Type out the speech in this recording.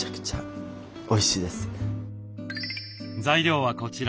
材料はこちら。